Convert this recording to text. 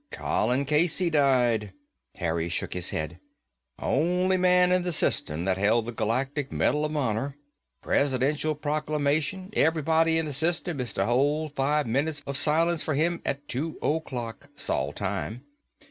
"Colin Casey died." Harry shook his head. "Only man in the system that held the Galactic Medal of Honor. Presidential proclamation, everybody in the system is to hold five minutes of silence for him at two o'clock, Sol Time.